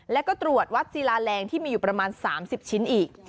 แล้วก็ตรวจวัดศิลาแรงที่มีอยู่ประมาณ๓๐ชิ้นอีก